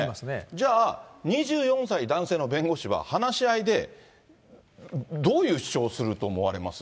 じゃあ、２４歳男性の弁護士は、話し合いで、どういう主張をすると思われます？